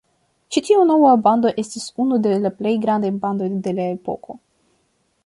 Ĉi tiu nova bando estis unu de la plej grandaj bandoj de la epoko.